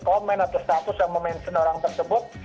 comment atau status yang memention orang tersebut